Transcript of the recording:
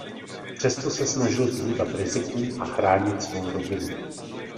Přesto se snažil vyhýbat rizikům a chránit svou rodinu.